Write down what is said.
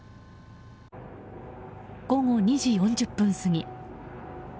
午後２時４０分過ぎ蕨